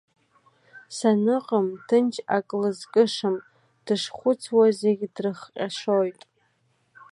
Саныҟам, ҭынч ак лызкышам, дышхәыцуа, зегь дрыхҟьашоит.